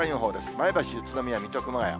前橋、宇都宮、水戸、熊谷。